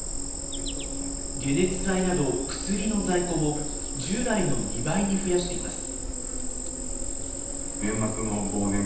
解熱剤など、薬の在庫も、従来の２倍に増やしています。